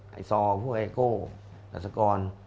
หลีซอร์พวกไอโก้หนักศักรณ์